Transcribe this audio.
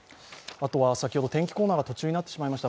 先ほど天気コーナーが途中になってしまいました。